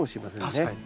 確かに。